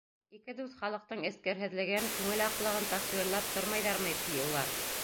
Ике дуҫ халыҡтың эскерһеҙлеген, күңел аҡлығын тасуирләп тормайҙармы пи улар!